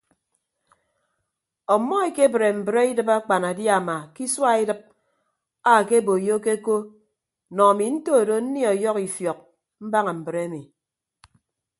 Ọmmọ ekebre mbre idịb akpanadiama ke isua edịp ake boyokeko nọ ami ntodo nnie ọyọhọ ifiọk mbaña mbre emi.